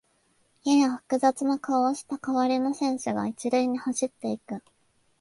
やや複雑な顔をした代わりの選手が一塁に走っていく